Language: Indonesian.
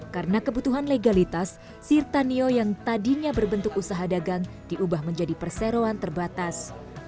karena kebutuhan legalitas sirtanio yang tadinya berbentuk usaha dagang diubah menjadi perseroan terbatas